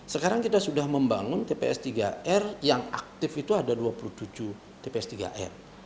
sekarang kita sudah membangun tps tiga r yang aktif itu ada dua puluh tujuh tps tiga r